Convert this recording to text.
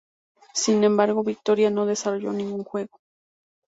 Sin embargo Victoria no desarrolló ningún juego.